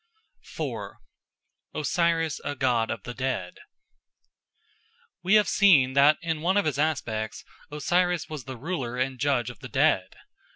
4. Osiris a God of the Dead WE have seen that in one of his aspects Osiris was the ruler and judge of the dead.